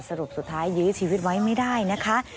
สรุปสุดท้ายยื้อชีวิตไว้ไม่ได้นะคะ